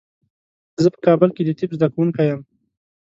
زه په کابل کې د طب زده کوونکی یم.